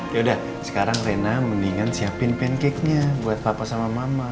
yaudah sekarang rena mendingan siapin pancake nya buat papa sama mama